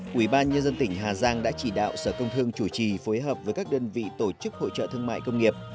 quỹ ban nhân dân tỉnh hà giang đã chỉ đạo sở công thương chủ trì phối hợp với các đơn vị tổ chức hội trợ thương mại công nghiệp